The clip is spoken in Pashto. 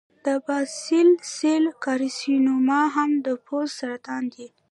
د باسل سیل کارسینوما هم د پوست سرطان دی.